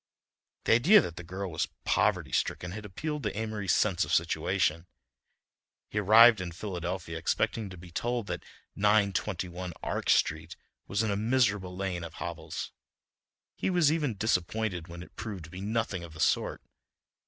The idea that the girl was poverty stricken had appealed to Amory's sense of situation. He arrived in Philadelphia expecting to be told that 921 Ark Street was in a miserable lane of hovels. He was even disappointed when it proved to be nothing of the sort.